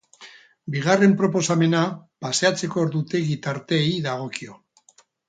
Bigarren proposamena paseatzeko ordutegi tarteei dagokio.